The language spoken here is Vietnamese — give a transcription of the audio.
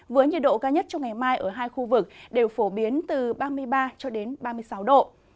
với nhiệt độ cao nhất trong ngày mai ở hai khu vực đều phổ biến từ ba mươi ba cho đến ba mươi sáu độ